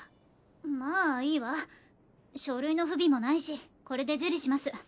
まあいいわ書類の不備もないしこれで受理します